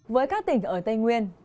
với các tỉnh ở tây nguyên